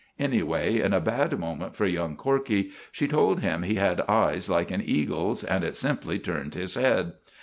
Anyway, in a bad moment for young Corkey, she told him he had eyes like an eagle's, and it simply turned his head.